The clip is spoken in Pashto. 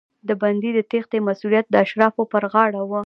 د بندي د تېښتې مسوولیت د اشرافو پر غاړه و.